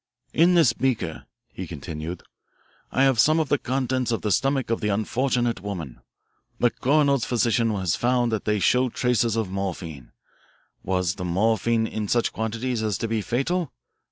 "In this beaker," he continued, "I have some of the contents of the stomach of the unfortunate woman. The coroner's physician has found that they show traces of morphine. Was the morphine in such quantities as to be fatal?